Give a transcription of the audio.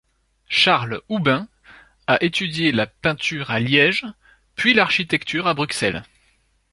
Charles Houben a étudié la peinture à Liège, puis l'architecture à Bruxelles.